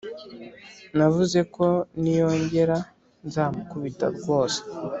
Navuze ko niyongera nzamukubita rwose